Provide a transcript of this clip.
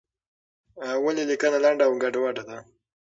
ولې لیکنه لنډه او ګډوډه ده؟